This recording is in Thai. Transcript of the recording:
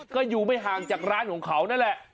ก็อยู่ไม่ห่างจากร้านของเขานั่นแหละ